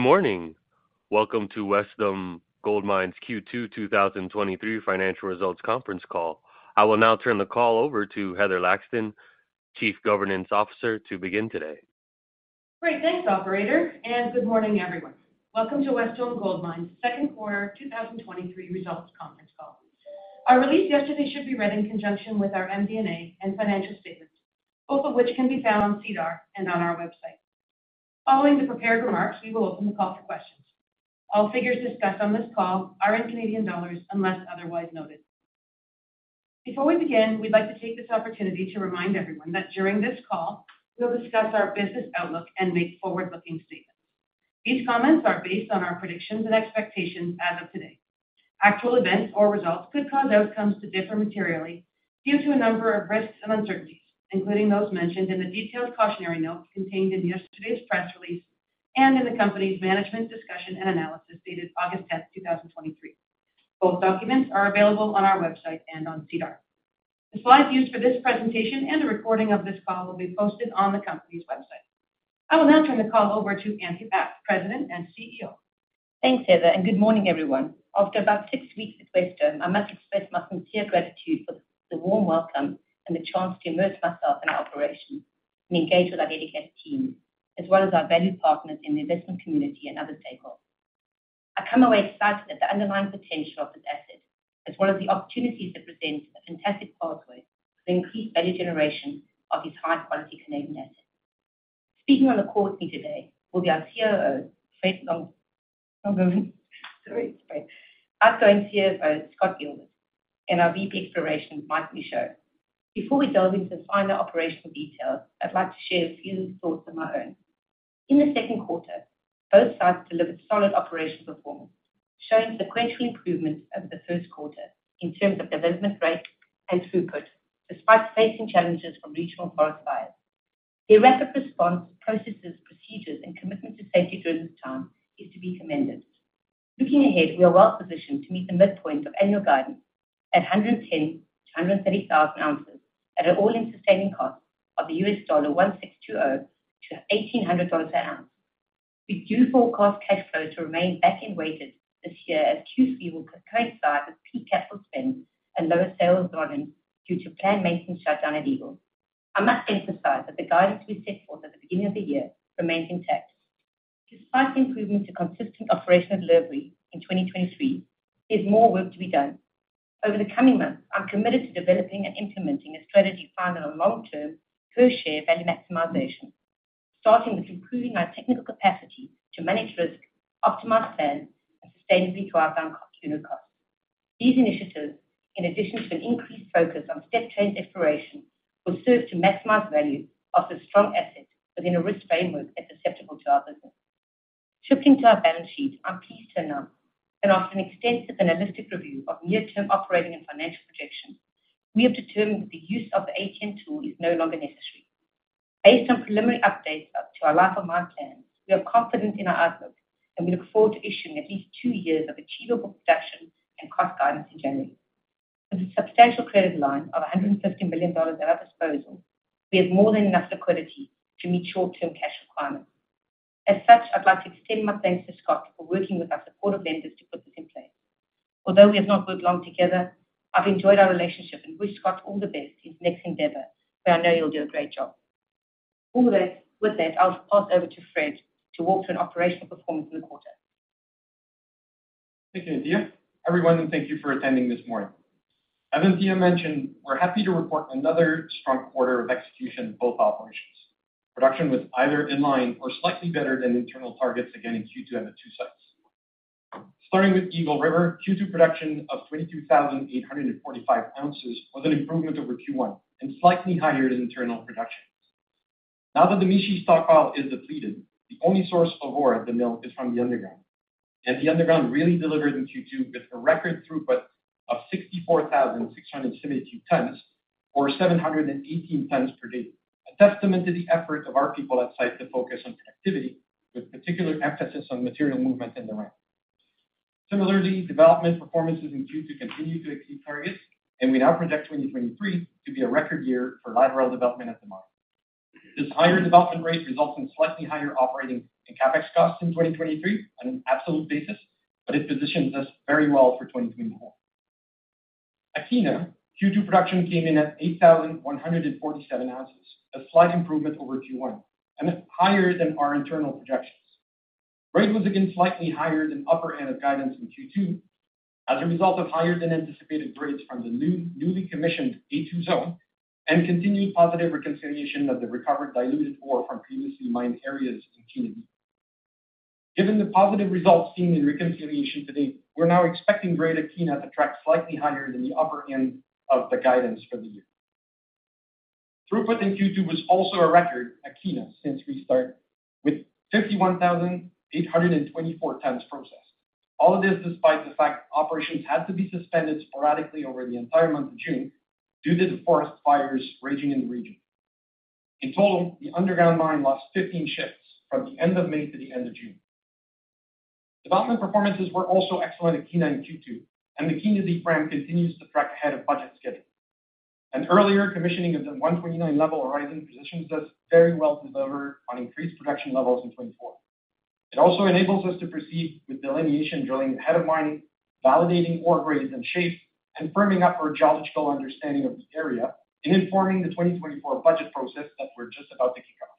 Good morning. Welcome to Wesdome Gold Mines Q2 2023 financial results conference call. I will now turn the call over to Heather Laxton, Chief Governance Officer, to begin today. Great. Thanks, operator, and good morning, everyone. Welcome to Wesdome Gold Mines second quarter 2023 results conference call. Our release yesterday should be read in conjunction with our MD&A and financial statements, both of which can be found on SEDAR and on our website. Following the prepared remarks, we will open the call for questions. All figures discussed on this call are in Canadian dollars, unless otherwise noted. Before we begin, we'd like to take this opportunity to remind everyone that during this call, we'll discuss our business outlook and make forward-looking statements. These comments are based on our predictions and expectations as of today. Actual events or results could cause outcomes to differ materially due to a number of risks and uncertainties, including those mentioned in the detailed cautionary note contained in yesterday's press release and in the company's management discussion and analysis dated August 10th, 2023. Both documents are available on our website and on SEDAR. The slides used for this presentation and a recording of this call will be posted on the company's website. I will now turn the call over to Anthea Bath, President and CEO. Thanks, Heather. Good morning, everyone. After about six weeks at Wesdome, I must express my sincere gratitude for the warm welcome and the chance to immerse myself in our operation and engage with our dedicated team, as well as our value partners in the investment community and other stakeholders. I come away excited at the underlying potential of this asset, as well as the opportunities that present a fantastic pathway for increased value generation of this high-quality Canadian asset. Speaking on the call with me today will be our COO, Fred, outgoing CFO, Scott Gilbert, and our VP Exploration, Mike Michaud. Before we delve into the finer operational details, I'd like to share a few thoughts of my own. In the second quarter, both sides delivered solid operational performance, showing sequential improvements over the first quarter in terms of development rate and throughput, despite facing challenges from regional forest fires. The rapid response, processes, procedures, and commitment to safety during this time is to be commended. Looking ahead, we are well-positioned to meet the midpoint of annual guidance at 110,000-130,000 ounces at an all-in sustaining cost of $1,620-$1,800 an ounce. We do forecast cash flow to remain back-end weighted this year, as Q3 will coincide with peak capital spend and lower sales volume due to planned maintenance shutdown at Eagle. I must emphasize that the guidance we set forth at the beginning of the year remains intact. Despite improvements to consistent operational delivery in 2023, there's more work to be done. Over the coming months, I'm committed to developing and implementing a strategy founded on long-term per-share value maximization, starting with improving our technical capacity to manage risk, optimize spend, and sustainably drive down cost, unit cost. These initiatives, in addition to an increased focus on step-change exploration, will serve to maximize value of the strong asset within a risk framework and susceptible to our business. Shifting to our balance sheet, I'm pleased to announce that after an extensive and holistic review of near-term operating and financial projections, we have determined that the use of the ATM tool is no longer necessary. Based on preliminary updates up to our life of mine plans, we are confident in our outlook. We look forward to issuing at least two years of achievable production and cost guidance in January. With a substantial credit line of 150 million dollars at our disposal, we have more than enough liquidity to meet short-term cash requirements. As such, I'd like to extend my thanks to Scott for working with our supportive lenders to put this in place. Although we have not worked long together, I've enjoyed our relationship and wish Scott all the best in his next endeavor, where I know he'll do a great job. With that, I'll pass over to Fred to walk through an operational performance in the quarter. Thank you, Anthea. Everyone, thank you for attending this morning. As Anthea mentioned, we're happy to report another strong quarter of execution, both operations. Production was either in line or slightly better than internal targets again in Q2 at the two sites. Starting with Eagle River, Q2 production of 22,845 ounces was an improvement over Q1 and slightly higher than internal productions. Now that the Mishi stockpile is depleted, the only source of ore at the mill is from the underground, and the underground really delivered in Q2 with a record throughput of 64,670 tons or 718 tons per day. A testament to the efforts of our people at site to focus on activity with particular emphasis on material movement in the mine. Similarly, development performances in Q2 continued to exceed targets. We now project 2023 to be a record year for lateral development at the mine. This higher development rate results in slightly higher operating and CapEx costs in 2023 on an absolute basis, but it positions us very well for 2024. At Kiena, Q2 production came in at 8,147 ounces, a slight improvement over Q1 and higher than our internal projections. Grade was again slightly higher than upper end of guidance in Q2 as a result of higher than anticipated grades from the newly commissioned A2 zone and continued positive reconciliation of the recovered diluted ore from previously mined areas in Kiena. Given the positive results seen in reconciliation to date, we're now expecting grade at Kiena to track slightly higher than the upper end of the guidance for the year. Throughput in Q2 was also a record at Kiena since we started, with 51,824 tons processed. All of this despite the fact operations had to be suspended sporadically over the entire month of June due to the forest fires raging in the region. In total, the underground mine lost 15 shifts from the end of May to the end of June. Development performances were also excellent at Kiena in Q2, and the Kiena Deep frame continues to track ahead of budget schedule.... An earlier commissioning of the 129 level horizon positions us very well to deliver on increased production levels in 2024. It also enables us to proceed with delineation drilling ahead of mining, validating ore grades and shape, and firming up our geological understanding of the area, and informing the 2024 budget process that we're just about to kick off.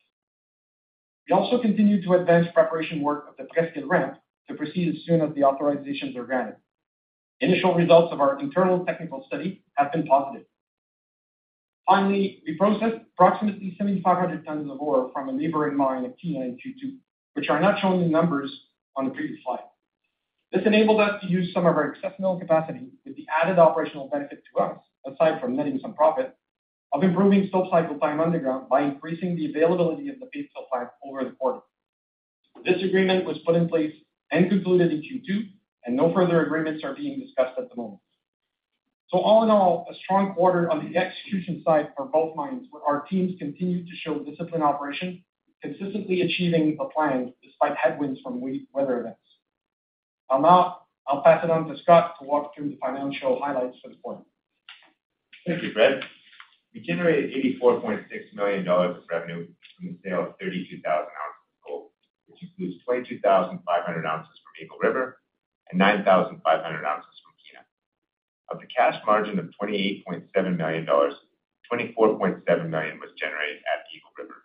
We also continued to advance preparation work at the Presqu'ile ramp to proceed as soon as the authorizations are granted. Initial results of our internal technical study have been positive. Finally, we processed approximately 7,500 tons of ore from a neighboring mine at Kiena in Q2, which are not shown in numbers on the previous slide. This enabled us to use some of our excess mill capacity with the added operational benefit to us, aside from netting some profit, of improving stope cycle time underground by increasing the availability of the paste supply over the quarter. This agreement was put in place and concluded in Q2, no further agreements are being discussed at the moment. All in all, a strong quarter on the execution side for both mines, where our teams continued to show disciplined operation, consistently achieving the plan despite headwinds from weather events. I'll pass it on to Scott to walk through the financial highlights for the quarter. Thank you, Fred. We generated 84.6 million dollars of revenue from the sale of 32,000 ounces of gold, which includes 22,500 ounces from Eagle River and 9,500 ounces from Kiena. Of the cash margin of 28.7 million dollars, 24.7 million was generated at the Eagle River.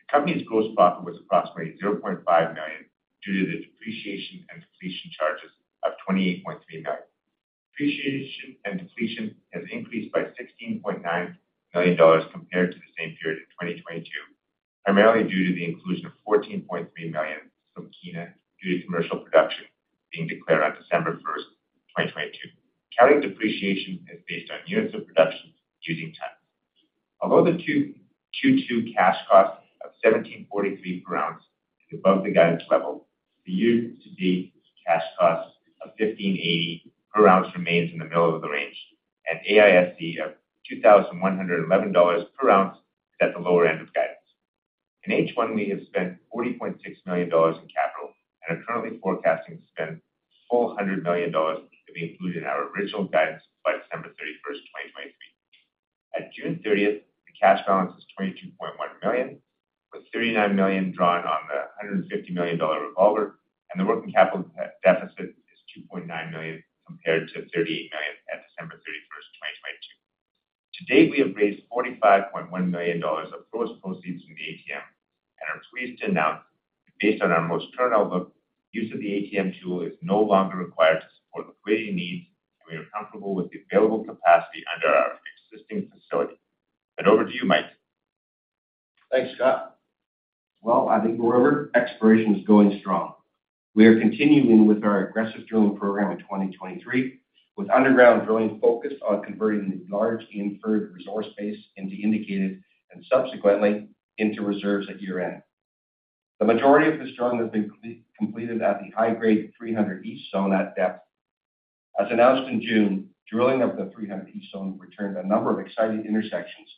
The company's gross profit was approximately 0.5 million, due to the depreciation and depletion charges of 28.3 million. Depreciation and depletion has increased by 16.9 million dollars compared to the same period in 2022, primarily due to the inclusion of 14.3 million from Kiena, due to commercial production being declared on December 1, 2022. Accounting depreciation is based on units of production using tonnes. Although the Q2 cash cost of 1,743 per ounce is above the guidance level, the year-to-date cash cost of 1,580 per ounce remains in the middle of the range, AISC of $2,111 per ounce is at the lower end of guidance. In H1, we have spent 40.6 million dollars in capital and are currently forecasting to spend 400 million dollars to be included in our original guidance by December 31, 2023. At June 30, the cash balance is 22.1 million, with 39 million drawn on the 150 million dollar revolver, and the working capital deficit is 2.9 million, compared to 38 million at December 31, 2022. To date, we have raised 45.1 million dollars of gross proceeds from the ATM and are pleased to announce, based on our most current outlook, use of the ATM tool is no longer required to support liquidity needs, and we are comfortable with the available capacity under our existing facility. Over to you, Mike. Thanks, Scott. Well, at Eagle River, exploration is going strong. We are continuing with our aggressive drilling program in 2023, with underground drilling focused on converting the large inferred resource base into indicated and subsequently into reserves at year-end. The majority of this drilling has been completed at the high-grade 300 East zone at depth. As announced in June, drilling of the 300 East zone returned a number of exciting intersections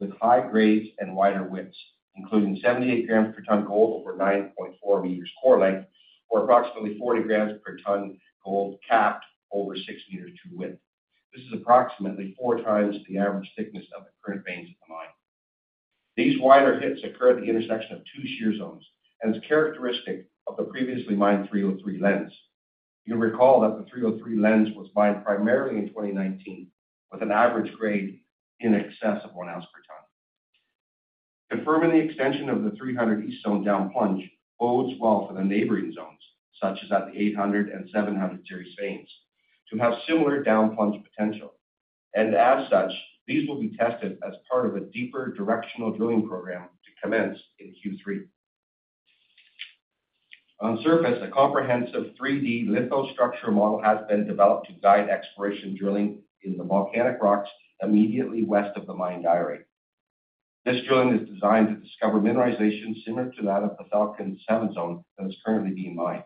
with high grades and wider widths, including 78 grams per ton gold over 9.4 meters core length, or approximately 40 grams per ton gold, capped over 6 meters true width. This is approximately 4 times the average thickness of the current veins of the mine. These wider hits occur at the intersection of two shear zones. It's characteristic of the previously mined 303 lens. You'll recall that the 303 lens was mined primarily in 2019, with an average grade in excess of one ounce per ton. Confirming the extension of the 300 East zone down plunge bodes well for the neighboring zones, such as at the 800 and 700 series veins, to have similar down plunge potential. As such, these will be tested as part of a deeper directional drilling program to commence in Q3. On surface, a comprehensive lithostructural model has been developed to guide exploration drilling in the volcanic rocks immediately west of the mine diorite. This drilling is designed to discover mineralization similar to that of the Falcon 7 Zone that is currently being mined.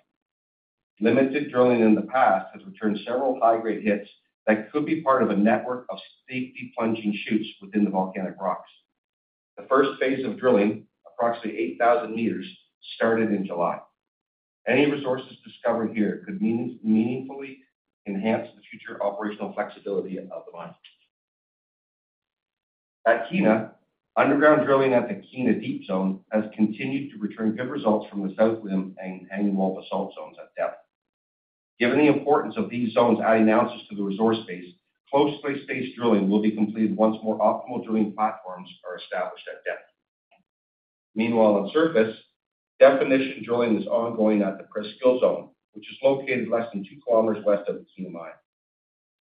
Limited drilling in the past has returned several high-grade hits that could be part of a network of steeply plunging shoots within the volcanic rocks. The first phase of drilling, approximately 8,000 meters, started in July. Any resources discovered here could meaningfully enhance the future operational flexibility of the mine. At Kiena, underground drilling at the Kiena Deep zone has continued to return good results from the south limb and hanging wall assault zones at depth. Given the importance of these zones adding ounces to the resource base, closely spaced drilling will be completed once more optimal drilling platforms are established at depth. Meanwhile, on surface, definition drilling is ongoing at the Presqu'ile Zone, which is located less than 2 kilometers west of the Kiena mine.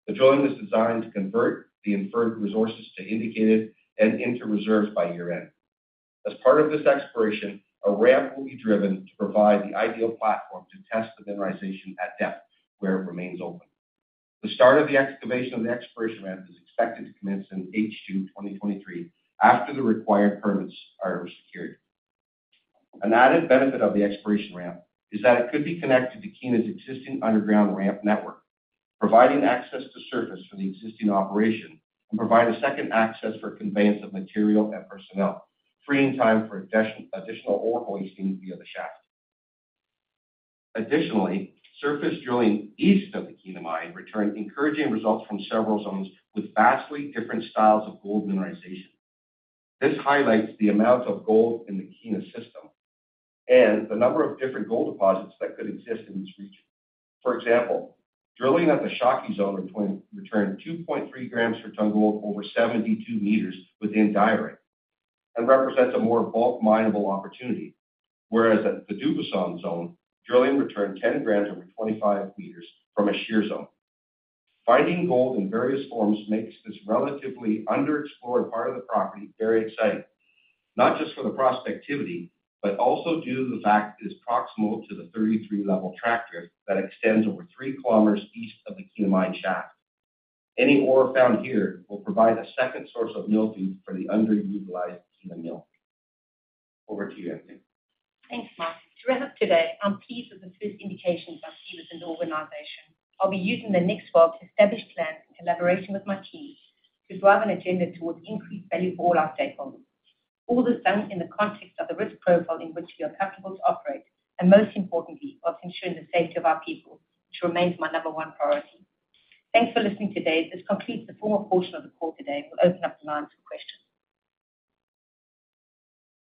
The drilling is designed to convert the inferred resources to indicated and into reserves by year-end. As part of this exploration, a ramp will be driven to provide the ideal platform to test the mineralization at depth, where it remains open. The start of the excavation of the exploration ramp is expected to commence in H2 2023, after the required permits are secured. An added benefit of the exploration ramp is that it could be connected to Kiena's existing underground ramp network, providing access to surface for the existing operation and provide a second access for conveyance of material and personnel, freeing time for additional ore hoisting via the shaft.... Additionally, surface drilling east of the Kiena Mine returned encouraging results from several zones with vastly different styles of gold mineralization. This highlights the amount of gold in the Kiena system and the number of different gold deposits that could exist in this region. For example, drilling at the Shawkey Zone returned 2.3 g/t gold over 72 meters within direct, and represents a more bulk mineable opportunity, whereas at the Dubuisson Zone, drilling returned 10 g over 25 meters from a shear zone. Finding gold in various forms makes this relatively underexplored part of the property very exciting, not just for the prospectivity, but also due to the fact it is proximal to the 33 level track drift that extends over 3 kilometers east of the Kiena Mine shaft. Any ore found here will provide a second source of mill feed for the underutilized Kiena mill. Over to you, Anthea. Thanks, Mike. To wrap up today, I'm pleased with the first indications I've seen as an organization. I'll be using the next while to establish plans in collaboration with my team to drive an agenda towards increased value for all our stakeholders. All this done in the context of the risk profile in which we are comfortable to operate, and most importantly, whilst ensuring the safety of our people, which remains my number one priority. Thanks for listening today. This completes the formal portion of the call today. We'll open up the line to questions.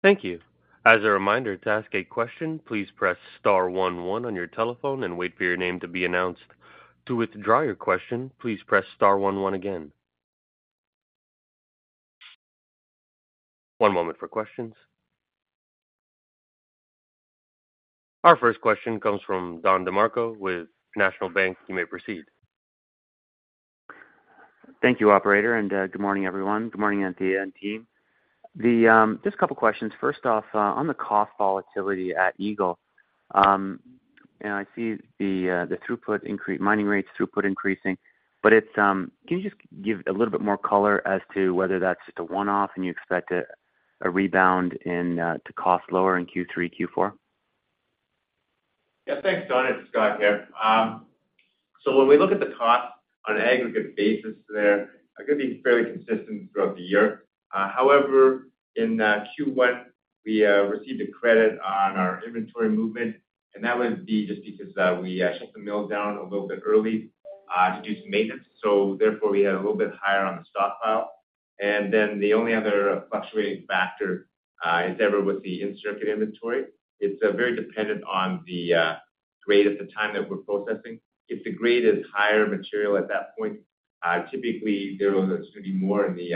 Thank you. As a reminder, to ask a question, please press star one one on your telephone and wait for your name to be announced. To withdraw your question, please press star one one again. One moment for questions. Our first question comes from Don DeMarco with National Bank. You may proceed. Thank you, operator. Good morning, everyone. Good morning, Anthea and team. Just a couple of questions. First off, on the cost volatility at Eagle. I see the throughput increase, mining rates throughput increasing, but can you just give a little bit more color as to whether that's just a one-off and you expect a rebound to cost lower in Q3, Q4? Yeah, thanks, Don. It's Scott here. When we look at the cost on an aggregate basis there, they're going to be fairly consistent throughout the year. However, in Q1, we received a credit on our inventory movement. That would be just because we shut the mill down a little bit early to do some maintenance, so therefore, we had a little bit higher on the stockpile. The only other fluctuating factor is ever with the in-circuit inventory. It's very dependent on the grade at the time that we're processing. If the grade is higher material at that point, typically, there is going to be more in the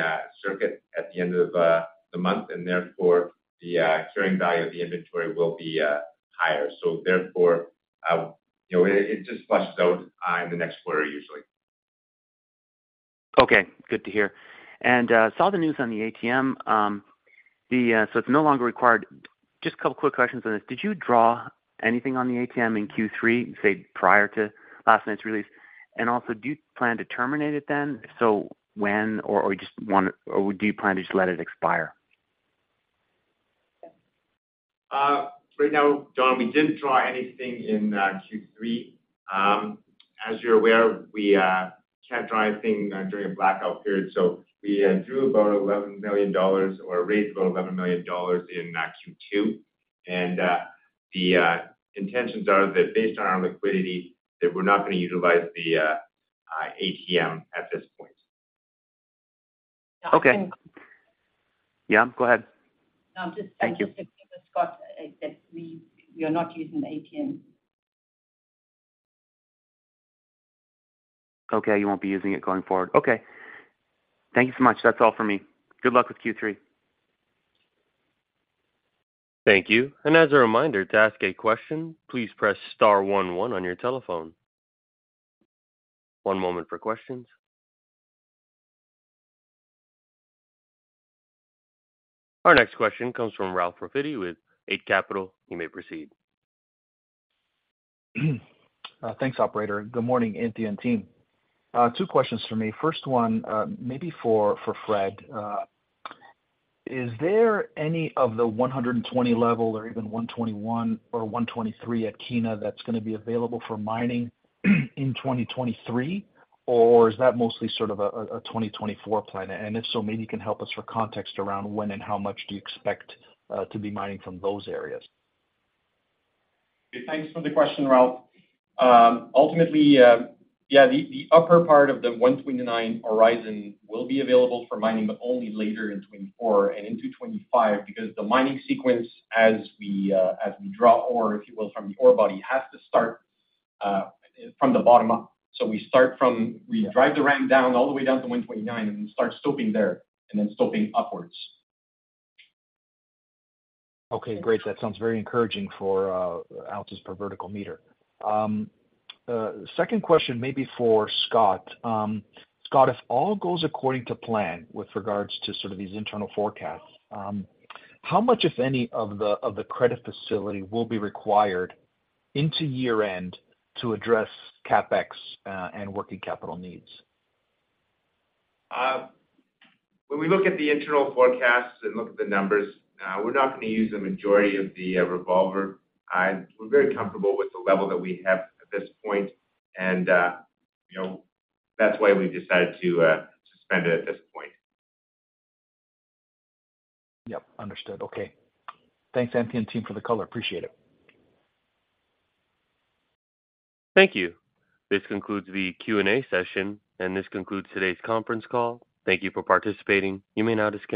circuit at the end of the month. Therefore, the carrying value of the inventory will be higher. Therefore, you know, it, it just flushes out on the next quarter, usually. Okay, good to hear. Saw the news on the ATM. It's no longer required. Just 2 quick questions on this. Did you draw anything on the ATM in Q3, say, prior to last night's release? Also, do you plan to terminate it then? When or do you plan to just let it expire? Right now, Don, we didn't draw anything in Q3. As you're aware, we can't draw anything during a blackout period, so we drew about 11 million dollars, or raised about 11 million dollars in Q2. The intentions are that based on our liquidity, that we're not going to utilize the ATM at this point. Okay. And- Yeah, go ahead. No, I'm just- Thank you. Just to repeat for Scott, that we, we are not using the ATM. Okay. You won't be using it going forward. Okay. Thank you so much. That's all for me. Good luck with Q3. Thank you. As a reminder, to ask a question, please press star one one on your telephone. One moment for questions. Our next question comes from Ralph Profiti with Eight Capital. You may proceed. Thanks, operator. Good morning, Anthea and team. Two questions for me. First one, maybe for, for Fred. Is there any of the 120 level or even 121 or 123 at Kiena that's going to be available for mining in 2023? Or is that mostly sort of a 2024 plan? If so, maybe you can help us for context around when and how much do you expect to be mining from those areas. Thanks for the question, Ralph. ultimately, yeah, the upper part of the 129 horizon will be available for mining, but only later in 2024 and into 2025, because the mining sequence, as we, as we draw ore, if you will, from the ore body, has to start from the bottom up. We start from, we drive the ramp down, all the way down to 129, and we start stopping there, and then stopping upwards. Okay, great. That sounds very encouraging for ounces per vertical meter. Second question, maybe for Scott. Scott, if all goes according to plan with regards to sort of these internal forecasts, how much, if any, of the credit facility will be required into year-end to address CapEx and working capital needs? When we look at the internal forecasts and look at the numbers, we're not going to use the majority of the revolver. We're very comfortable with the level that we have at this point, and, you know, that's why we've decided to suspend it at this point. Yep, understood. Okay. Thanks, Anthea and team, for the color. Appreciate it. Thank you. This concludes the Q&A session, and this concludes today's conference call. Thank you for participating. You may now disconnect.